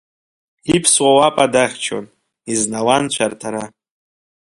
Иԥсуа уапа дахьчон, изнауан цәарҭара.